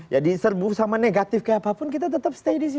ya diserbu sama negatif kayak apapun kita tetap stay di sini